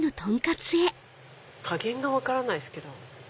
加減が分からないですけど。